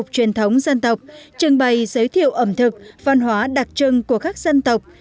truyền thống dân tộc trưng bày giới thiệu ẩm thực văn hóa đặc trưng của các dân tộc